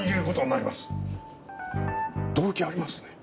動機ありますね。